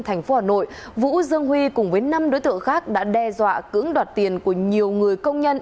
thành phố hà nội vũ dương huy cùng với năm đối tượng khác đã đe dọa cưỡng đoạt tiền của nhiều người công nhân